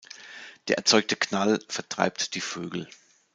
Der erzeugte Knall vertreibt die Vögel.